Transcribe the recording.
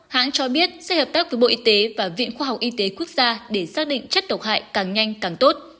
hãng cho biết sẽ hợp tác với bộ y tế và viện khoa học y tế quốc gia để xác định chất độc hại càng nhanh càng tốt